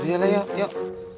terserah yuk yuk